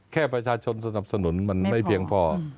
แค่ประชาชนสนับสนุนมันไม่เพียงพอ